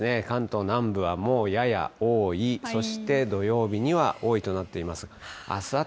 関東南部はもうやや多い、そして土曜日には多いとなっています。